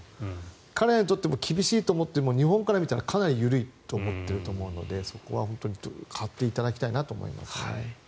彼らにとっては厳しいと思ってみても日本から見たらかなり緩いと思っていると思うのでそこは変わっていただきたいなと思いますね。